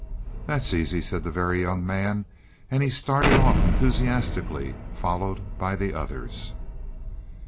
"That's easy," said the Very Young Man, and he started off enthusiastically, followed by the others.